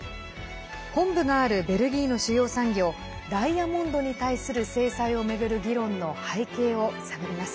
本部があるベルギーの主要産業ダイヤモンドに対する制裁を巡る議論の背景を探ります。